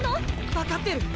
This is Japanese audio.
分かってる！